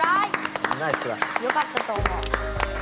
よかったと思う。